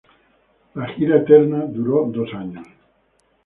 La gira "Eterna" duró dos años.